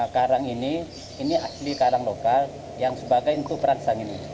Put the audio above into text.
karang ini ini asli karang lokal yang sebagai untuk perangsang ini